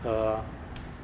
semoga semua bahwa